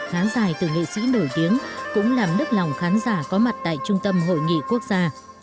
khán giải từ nghệ sĩ nổi tiếng cũng làm đức lòng khán giả có mặt tại trung tâm hội nghị quốc gia